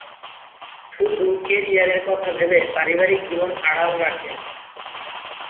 শুধু ক্যারিয়ারের কথা ভেবে পারিবারিক জীবন আড়াল রাখেন।